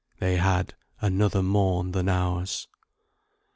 "They had Another morn than ours."